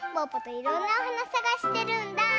いろんなおはなさがしてるんだ！